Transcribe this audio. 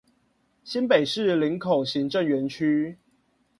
新北市林口行政園區